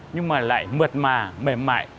nhưng mà lại mượt mà mềm mại